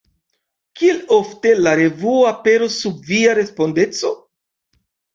Kiel ofte la revuo aperos sub via respondeco?